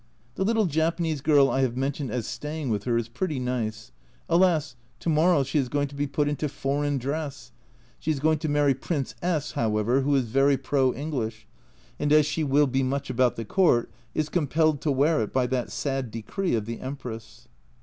The little Japanese girl I have mentioned as staying with her is pretty nice. Alas, to morrow she is going to be put into foreign dress ! She is going to marry Prince S , however, who is very pro English, and as she will be much about the court, is compelled to wear it by that sad decree of the Empress.